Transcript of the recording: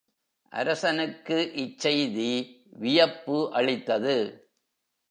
அரசனுக்கு இச்செய்தி வியப்பு அளித்தது.